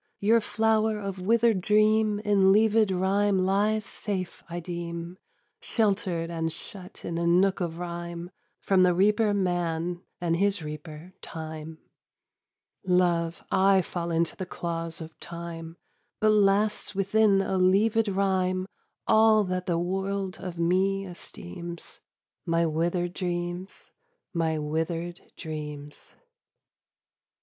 your flower of withered dream In leavèd rhyme lies safe, I deem, Sheltered and shut in a nook of rhyme, From the reaper man, and his reaper Time. Love! I fall into the claws of Time: But lasts within a leavèd rhyme All that the world of me esteems My withered dreams, my withered dreams.